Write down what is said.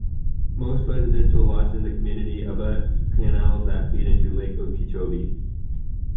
Most residential lots in the community abut canals that feed into Lake Okeechobee.